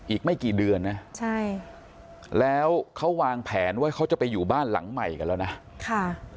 อีกไม่กี่เดือนนะใช่แล้วเขาวางแผนว่าเขาจะไปอยู่บ้านหลังใหม่กันแล้วนะค่ะ